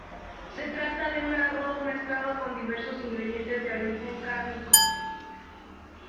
Se trata de un arroz mezclado con diversos ingredientes de origen cárnico.